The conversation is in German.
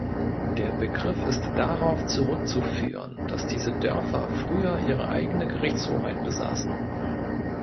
Der Begriff ist darauf zurückzuführen, dass diese Dörfer früher ihre eigene Gerichtshoheit besaßen.